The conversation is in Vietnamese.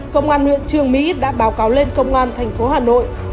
công an huyện trường mỹ đã báo cáo lên công an tp hà nội